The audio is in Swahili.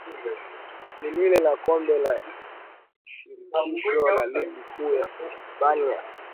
Na lile la kombe la shirikisho la ligi kuu ya Uhispania